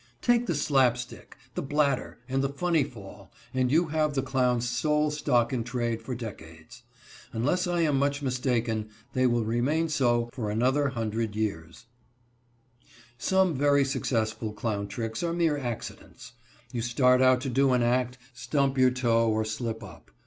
Take the slap stick, the bladder, and the funny fall, and you have the clown's sole stock in trade for decades. Unless I am much mistaken, they will remain so for another hundred years. [Illustration: "EVERY CLOWN ACT MUST TELL A STORY."] Some very successful clown tricks are mere accidents. You start out to do an act, stump your toe or slip up.